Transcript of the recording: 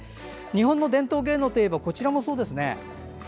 日本の伝統芸能といえばこちらもそうですね。